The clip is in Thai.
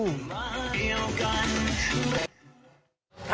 มาเดียวกัน